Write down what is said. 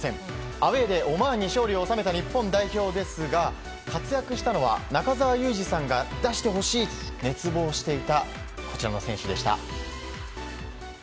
アウエーでオマーンに勝利を収めた日本代表ですが、活躍したのは、中澤佑二さんが出してほしいと熱望していたこちらの選手でした。